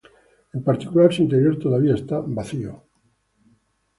En particular, su interior todavía está vacío.